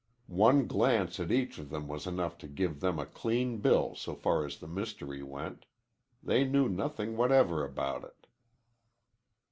One glance at each of them was enough to give them a clean bill so far as the mystery went. They knew nothing whatever about it.